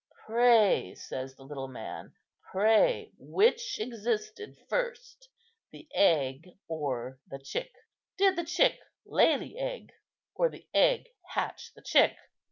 'Pray,' says the little man, 'pray, which existed first, the egg or the chick? Did the chick lay the egg, or the egg hatch the chick?